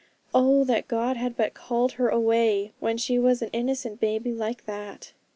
Oh that God had but called her away when she was an innocent baby like that!